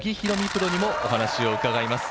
プロにもお話を伺います。